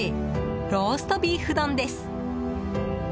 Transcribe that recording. ローストビーフ丼です。